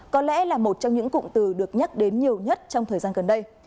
có lẽ là một trong những cụm từ được nhắc đến nhiều nhất trong thời gian gần đây